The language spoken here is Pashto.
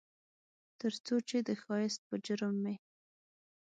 ترڅو چې د ښایست په جرم مې